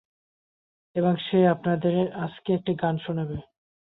এবং সে আপনাদের আজকে একটি গান শুনাবে।